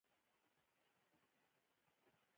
دلته خدای دې یې وبښي معترضه جمله ده.